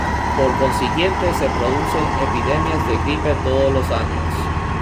Por consiguiente, se producen epidemias de gripe todos los años.